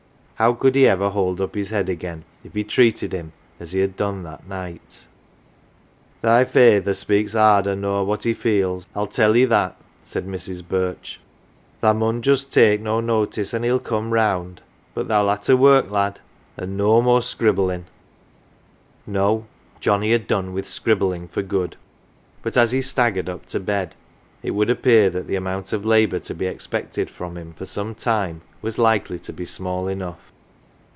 How could he ever hold up his head again if he treated him as he had done that night ?" Thy feyther speaks Carder nor what he feels, I'll tell 'ee that, 11 said Mi's. Birch; "thou mun just tak' no notice an 1 he'll come round. But thou'll ha' to work, lad an' no more scribblin'." No, Johnnie had done with scribbling for good ; but as he staggered up to bed it would appear that the 67 CELEBRITIES amount of labour to be expected from him for some time was likely to be small enough.